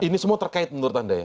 ini semua terkait menurut anda ya